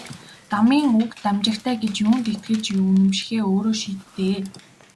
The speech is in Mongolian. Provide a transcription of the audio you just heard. Дамын үг дамжигтай гэж юунд итгэж үнэмшихээ өөрөө шийд дээ.